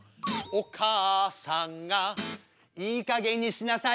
お母さんがいいかげんにしなさいよ！